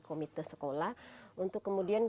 komite sekolah untuk kemudian